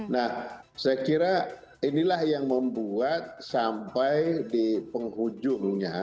nah saya kira inilah yang membuat sampai di penghujungnya